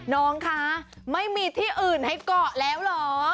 น้องคะไม่มีที่อื่นให้เกาะแล้วเหรอ